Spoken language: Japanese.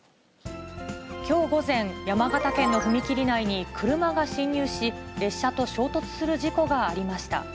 きょう午前、山形県の踏切内に車が進入し、列車と衝突する事故がありました。